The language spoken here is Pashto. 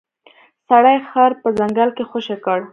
سړي خر په ځنګل کې خوشې کړ.